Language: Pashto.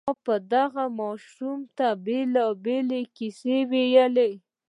ما به دغه ماشوم ته بېلابېلې کيسې ويلې.